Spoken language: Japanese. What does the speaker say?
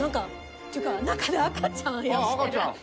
ていうか中で赤ちゃんあやしてない？